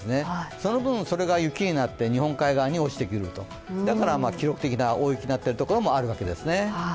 その分それが雪になって日本海側に落ちてくると、だから記録的な大雪になっているところもあるわけですね。